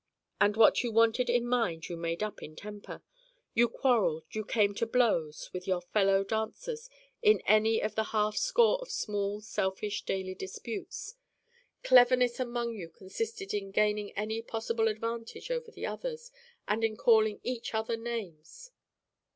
And what you wanted in mind you made up in temper. You quarreled, you came to blows, with your fellow dancers in any of a half score of small selfish daily disputes. Cleverness among you consisted in gaining any possible advantage over the others and in calling each other names.